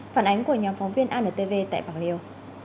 phản ánh của nhóm phóng viên antv tại bạc liêu